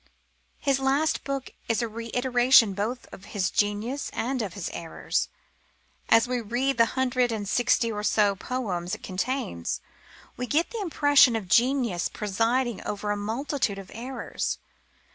His last book is a reiteration both of his genius and of his errors. As we read the hundred and sixty or so poems it contains we get the impression of genius presiding over a multitude of errors.